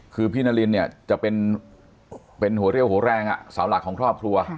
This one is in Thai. คือพี่นารินเนี่ยจะเป็นหัวเรี่ยวหัวแรงเสาหลักของครอบครัว